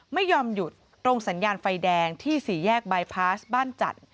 ไม่ยอมหยุดตรงสัญญาณไฟแดงที่สี่แยกบายพาสบ้านจันทร์